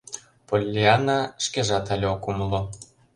— Поллианна шкежат але ок умыло.